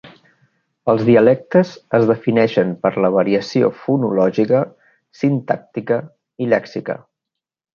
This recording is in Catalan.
Els dialectes es defineixen per la variació fonològica, sintàctica i lèxica.